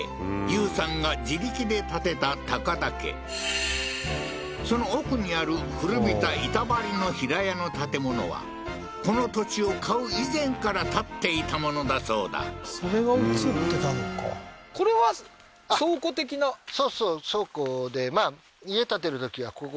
有さんが自力で建てた高田家その奥にある古びた板張りの平屋の建物はこの土地を買う以前から建っていたものだそうだそれが写ってたのか倉庫でだからでもね